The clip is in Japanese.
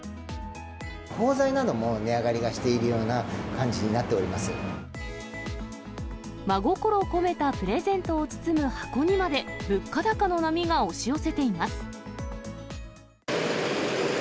包材なども値上がりがしてい真心込めたプレゼントを包む箱にまで、物価高の波が押し寄せています。